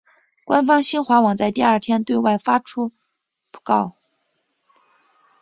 官方新华网在第二天对外发出讣告。